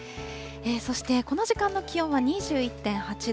そしてこの時間の気温は２１．８度。